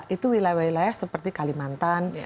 itu wilayah wilayah seperti kalimantan